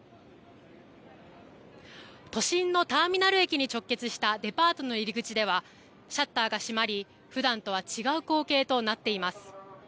都心のターミナル駅に直結したデパートの入り口ではシャッターが閉まり、ふだんとは違う光景となっています。